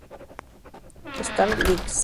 Star Licks.